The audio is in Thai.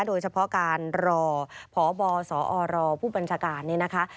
โดยเฉพาะการรอพบสอรผู้บัญชาการนี่นะคะ